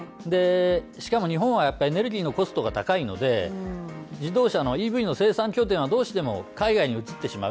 しかも日本はやっぱりエネルギーのコストが高いので、自動車のＥＶの生産拠点はどうしても海外に移ってしまう。